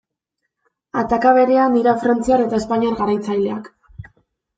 Ataka berean dira frantziar eta espainiar garatzaileak.